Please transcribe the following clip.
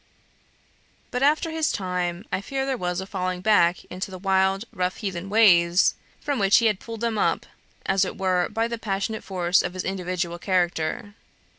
But after his time, I fear there was a falling back into the wild rough heathen ways, from which he had pulled them up, as it were, by the passionate force of his individual character.